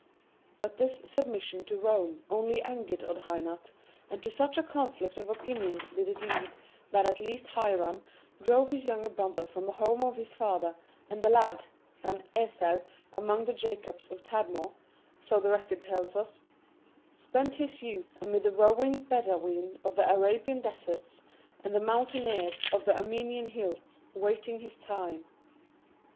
But this submission to Rome only angered Odhainat, and to such a conflict of opinion did it lead that at last Hairan drove his younger brother from the home of his fathers, and the lad, "an Esau among the Jacobs of Tadmor," so the record tells us, spent his youth amid the roving Bedaween of the Arabian deserts and the mountaineers of the Armenian hills, waiting his time.